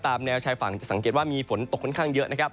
แนวชายฝั่งจะสังเกตว่ามีฝนตกค่อนข้างเยอะนะครับ